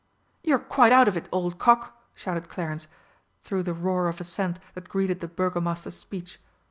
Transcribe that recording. "You're quite out of it, old cock!" shouted Clarence, through the roar of assent that greeted the Burgomaster's speech.